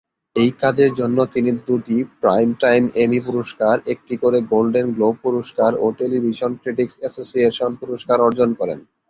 এই কাজের জন্য তিনি দুটি প্রাইমটাইম এমি পুরস্কার, একটি করে গোল্ডেন গ্লোব পুরস্কার ও টেলিভিশন ক্রিটিকস অ্যাসোসিয়েশন পুরস্কার অর্জন করেন।